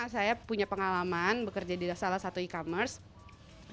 saya punya pengalaman bekerja di salah satu e commerce